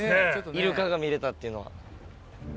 イルカが見れたっていうのは。